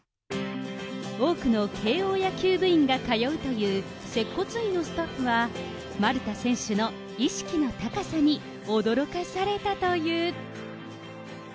多くの慶応野球部員が通うという、接骨院のスタッフは、丸田選手の意識の高さに驚かされたという。